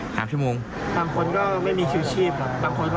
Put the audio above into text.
บางคนก็ไม่มีชีวิตชีพ